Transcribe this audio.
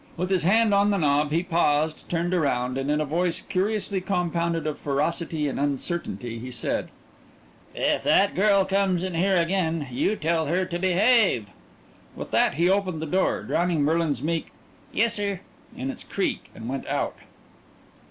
With his hand on the knob he paused, turned around, and in a voice curiously compounded of ferocity and uncertainty, he said: "If that girl comes in here again, you tell her to behave." With that he opened the door, drowning Merlin's meek "Yessir" in its creak, and went out.